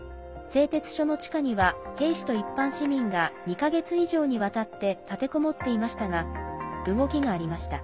製鉄所の地下には兵士と一般市民が２か月以上立てこもっていましたが動きがありました。